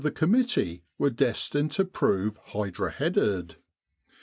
in Egypt committee were destined to prove hydra headed.